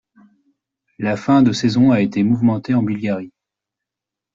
La fin de saison a été mouvementée en Bulgarie.